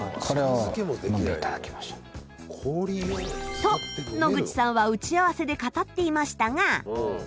と野口さんは打ち合わせで語っていましたが。